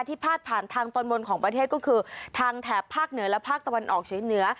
พาดผ่านทางตอนบนของประเทศก็คือทางแถบภาคเหนือและภาคตะวันออกเฉียงเหนือ